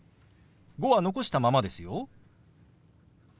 「５」は残したままですよ。